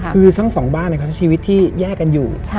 คือทั้งสองบ้านเขาชีวิตที่แยกกันอยู่